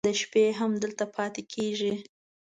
د شپې هم دلته پاتې کېږي.